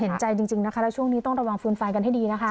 เห็นใจจริงนะคะแล้วช่วงนี้ต้องระวังฟืนไฟกันให้ดีนะคะ